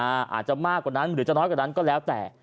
อาจจะมากกว่านั้นหรือจะน้อยกว่านั้นก็แล้วแต่